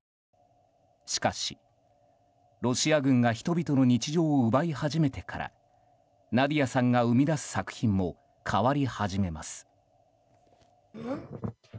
しかし、ロシア軍が人々の日常を奪い始めてからナディヤさんが生み出す作品も変わり始めます。